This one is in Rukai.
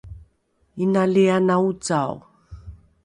inali ana ocao